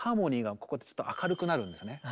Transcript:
ここでちょっと明るくなるんですね。